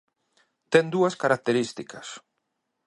Ten dúas características.